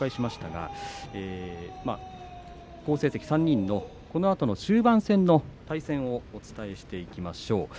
好成績３人の終盤戦の対戦をお伝えしていきましょう。